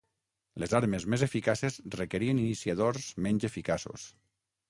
Les armes més eficaces requerien iniciadors menys eficaços.